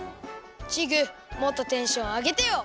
チグもっとテンションあげてよ。